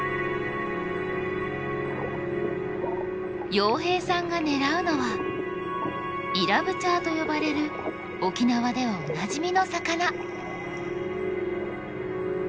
洋平さんが狙うのはイラブチャーと呼ばれる沖縄ではおなじみの魚。